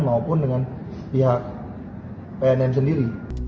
maupun dengan pihak pnm sendiri